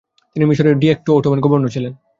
তিনি মিশরের ডি-অ্যাক্টো Ottoman governor ছিলেন।